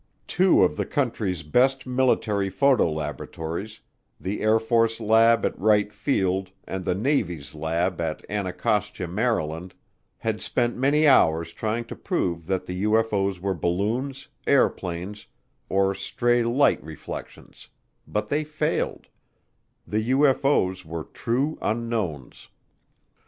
Two of the country's best military photo laboratories, the Air Force lab at Wright Field and the Navy's lab at Anacostia, Maryland, had spent many hours trying to prove that the UFO's were balloons, airplanes, or stray light reflections, but they failed the UFO's were true unknowns.